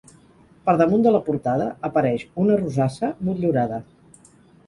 Per damunt de la portada apareix una rosassa motllurada.